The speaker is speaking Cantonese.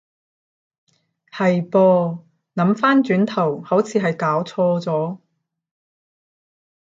係噃，諗返轉頭好似係攪錯咗